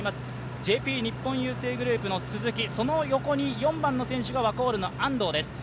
ＪＰ日本郵政グループの鈴木、その横に４番の選手がワコール安藤です。